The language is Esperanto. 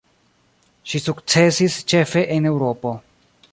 Ŝi sukcesis ĉefe en Eŭropo.